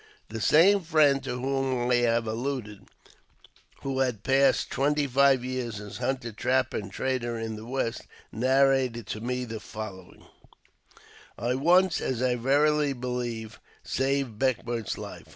The same friend to whom I have alluded, who had 10 PBEFACE TO TEE passed twenty five years as hunter, trapper, and trader in the West, narrated to me the followmg :— *'I once, as I verily believe, saved Beckwourth's life.